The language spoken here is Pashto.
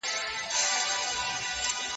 نوري ډیموکراسۍ څنګه پریکړي کوي؟